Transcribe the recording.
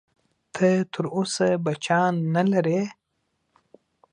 ته تر اوسه بچیان نه لرې؟